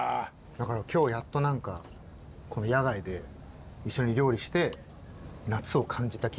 だから今日やっと何か野外で一緒に料理して夏を感じた気がします。